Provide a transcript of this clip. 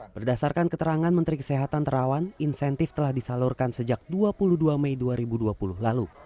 berdasarkan keterangan menteri kesehatan terawan insentif telah disalurkan sejak dua puluh dua mei dua ribu dua puluh lalu